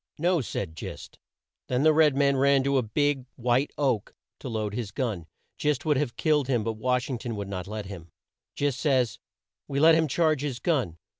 "No," said Gist. Then the red man ran to a big white oak tree to load his gun. Gist would have killed him, but Wash ing ton would not let him. Gist says, "We let him charge his gun.